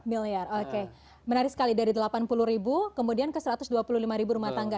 empat miliar oke menarik sekali dari delapan puluh ribu kemudian ke satu ratus dua puluh lima ribu rumah tangga